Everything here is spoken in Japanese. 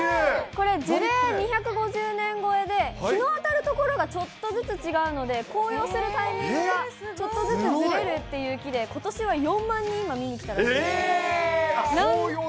これ樹齢２５０年超えで、日の当たる所がちょっとずつ違うので、紅葉するタイミングが、ちょっとずつずれるっていう木で、ことしは４万人が見に来たらしいえー。